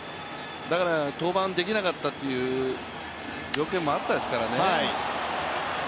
だから、登板できなかったという条件もありましたからね。